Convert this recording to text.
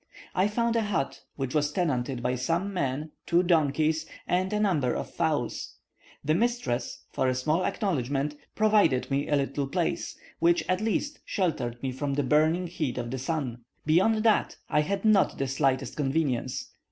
I found a hut, which was tenanted by some men, two donkeys, and a number of fowls. The mistress, for a small acknowledgment, provided me a little place, which at least sheltered me from the burning heat of the sun. Beyond that, I had not the slightest convenience.